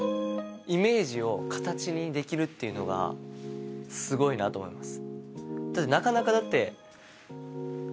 イメージを形にできるっていうのがすごいなと思います